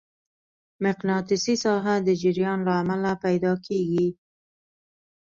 مقناطیسي ساحه د جریان له امله پیدا کېږي.